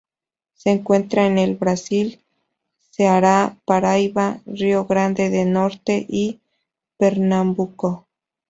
Se encuentra en el Brasil: Ceará, Paraíba, Rio Grande do Norte y Pernambuco.